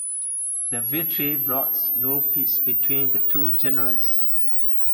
The victory brought no peace between the two generals.